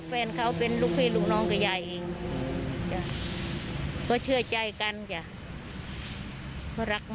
ตอนนี้ทุกข์ใจยังไงบ้างครับ